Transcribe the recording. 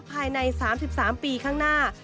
ภายใน๓๓ปีข้างหน้า